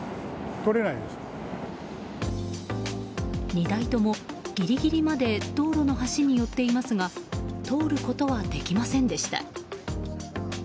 ２台とも、ギリギリまで道路の端に寄っていますが通ることはできませんでした。